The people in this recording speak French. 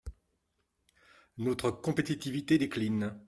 Notre compétitivité décline.